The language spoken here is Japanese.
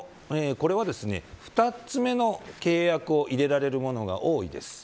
これは２つ目の契約を入れられるものが多いです。